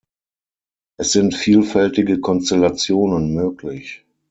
Es sind vielfältige Konstellationen möglich.